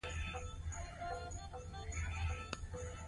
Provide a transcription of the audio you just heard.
ښاغلی شفیقي وايي، روسي لاسپوڅي حکومت ماشومانو ته بورسونه ورکړل.